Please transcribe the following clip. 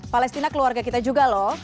palestina keluarga kita juga loh